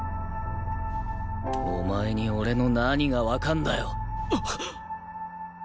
お前に俺の何がわかんだよ！